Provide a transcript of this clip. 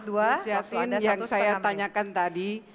pak yassin yang saya tanyakan tadi